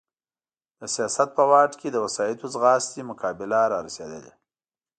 د سیاست په واټ کې د وسایطو ځغاستې مقابله را رسېدلې.